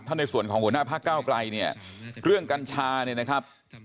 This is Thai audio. ในส่วนของหัวหน้าพักเก้าไกลเนี่ยเรื่องกัญชาเนี่ยนะครับ